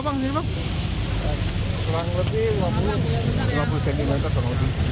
kurang lebih lima puluh cm